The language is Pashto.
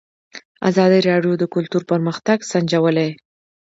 ازادي راډیو د کلتور پرمختګ سنجولی.